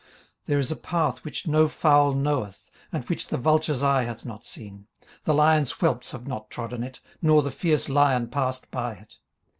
18:028:007 There is a path which no fowl knoweth, and which the vulture's eye hath not seen: 18:028:008 The lion's whelps have not trodden it, nor the fierce lion passed by it.